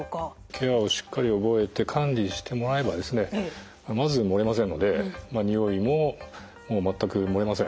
ケアをしっかり覚えて管理してもらえばですねまず漏れませんので臭いも全く漏れません。